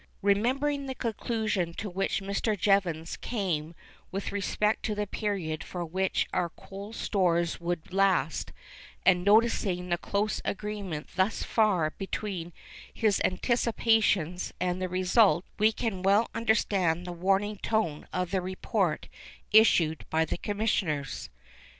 Remembering the conclusion to which Mr. Jevons came with respect to the period for which our coal stores would last, and noticing the close agreement thus far between his anticipations and the result, we can well understand the warning tone of the report issued by the Commissioners.